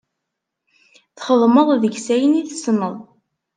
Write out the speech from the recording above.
Txedmeḍ deg-s ayen i tessneḍ.